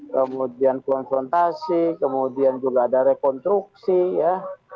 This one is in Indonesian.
kemudian konfrontasi kemudian juga ada rekonstruksi ya